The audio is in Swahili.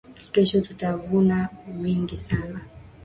Kesho tuta vuna mingi sana